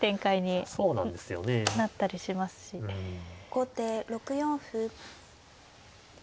後手６四歩。